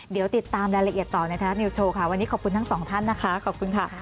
เดี๋ยวติดตามรายละเอียดต่อในทางด้านนี้วันนี้ขอบคุณทั้งสองท่านนะคะขอบคุณค่ะ